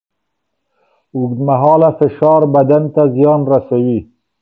اوږدمهاله فشار بدن ته زیان رسوي.